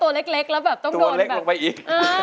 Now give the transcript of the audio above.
ตัวเล็กลงไปอีก